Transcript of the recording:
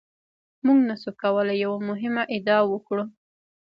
موږ نشو کولای یوه مهمه ادعا وکړو.